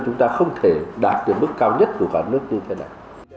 chúng ta không thể đạt được mức cao nhất của cả nước như thế này